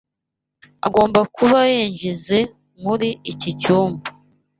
Agomba kuba yinjizoe muri iki cyumba.